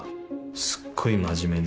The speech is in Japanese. すっごい真面目で。